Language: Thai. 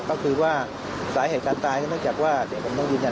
ก็คือว่าสาเหตุการตายก็เนื่องจากว่าเดี๋ยวผมต้องยืนยัน